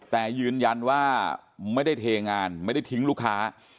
แต่ยืนยันว่าไม่ได้เทงานไม่ได้ทิ้งลูกค้า